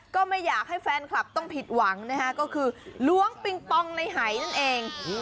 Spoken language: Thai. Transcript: ก็ไม่อยากให้แฟนคลับต้องผิดหวังนะฮะก็คือล้วงปิงปองในหายนั่นเอง